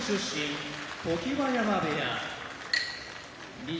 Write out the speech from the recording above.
常盤山部屋錦